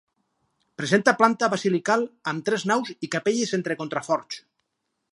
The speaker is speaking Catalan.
Presenta planta basilical amb tres naus i capelles entre contraforts.